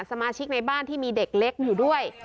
สมาชิกในบ้านที่มีเด็กเล็กอยู่ด้วย